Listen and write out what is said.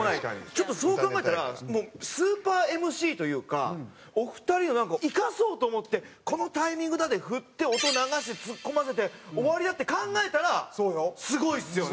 ちょっとそう考えたらスーパーＭＣというかお二人を生かそうと思って「このタイミングだ」で振って音流してツッコませて終わりだって考えたらすごいっすよね。